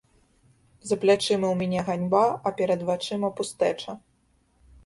За плячыма ў мяне ганьба, а перад вачыма пустэча.